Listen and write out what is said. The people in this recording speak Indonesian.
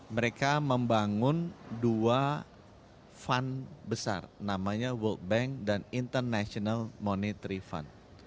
mereka membangun dua fund besar namanya world bank dan international monetary fund